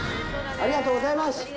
ありがとうございます。